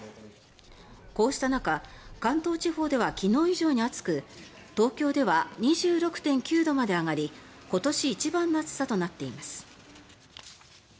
こうした中関東地方では昨日以上に暑く東京では２６．９度まで上がり今年一番の暑さとなっています。